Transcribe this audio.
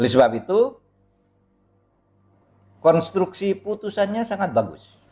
oleh sebab itu konstruksi putusannya sangat bagus